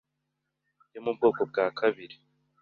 yo mu bwoko bwa kabiri